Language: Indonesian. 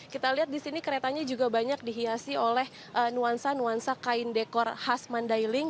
kita lihat di sini keretanya juga banyak dihiasi oleh nuansa nuansa kain dekor khas mandailing